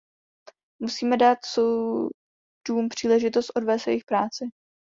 Musíme dát soudům příležitost odvést jejich práci.